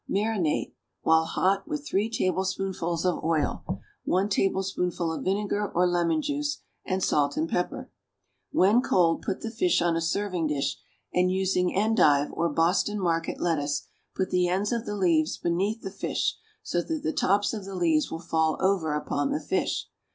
Marinate, while hot, with three tablespoonfuls of oil, one tablespoonful of vinegar or lemon juice, and salt and pepper. When cold put the fish on a serving dish, and, using endive or Boston Market lettuce, put the ends of the leaves beneath the fish, so that the tops of the leaves will fall over upon the fish.